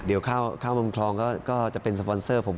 เดี๋ยวข้าวเมืองทองก็จะเป็นสปอนเซอร์ผม